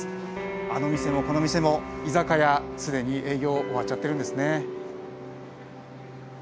あの店もこの店も居酒屋既に営業終わっちゃってるんですね。